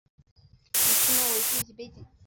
以清末为剧集背景。